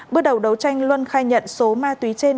bước đầu đấu tranh luân khai nhận số ma túy trên